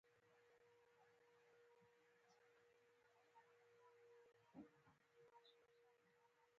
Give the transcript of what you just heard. د وینې بوی حس کوي خو وینه شتون نه لري.